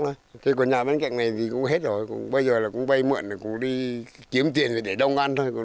thế còn nhà bên cạnh này thì cũng hết rồi bây giờ là cũng vây mượn cũng đi kiếm tiền để đông ăn thôi